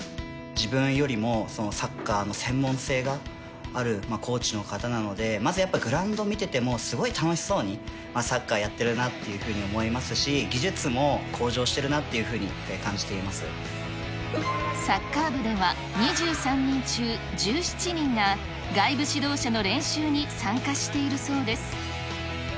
自分よりもサッカーの専門性があるコーチの方なので、まずやっぱりグラウンド見ててもすごい楽しそうにサッカーやってるなっていうふうに思いますし、技術も向上してるなっていうふうサッカー部では、２３人中１７人が、外部指導者の練習に参加しているそうです。